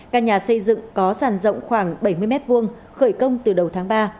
các nhà xây dựng có sàn rộng khoảng bảy mươi mét vuông khởi công từ đầu tháng ba